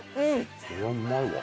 これはうまいわ。